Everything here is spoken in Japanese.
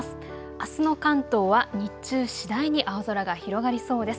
あすの関東は日中次第に青空が広がりそうです。